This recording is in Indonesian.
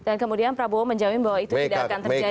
dan kemudian prabowo menjamin bahwa itu tidak akan terjadi ya